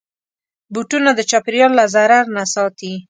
بوټونه د چاپېریال له ضرر نه ساتي.